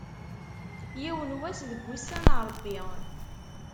Yiwen wass, deg ussan n Ṛebbi.